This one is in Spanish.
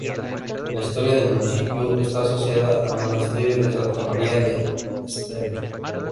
La historia del municipio está asociada al monasterio de Santa Maria de l'Estany.